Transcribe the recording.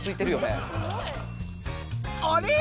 あれ？